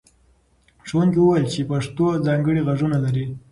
ښوونکي وویل چې پښتو ځانګړي غږونه لري.